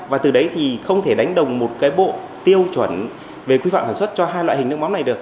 và từ đấy thì không thể đánh đồng một cái bộ tiêu chuẩn về quy phạm sản xuất cho hai loại hình nước mắm này được